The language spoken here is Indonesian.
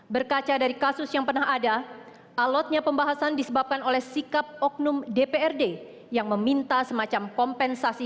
berkaca dari kasus yang pernah ada alotnya pembahasan disebabkan oleh sikap oknum dprd yang meminta semacam kompensasi